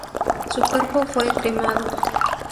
Su cuerpo fue cremado.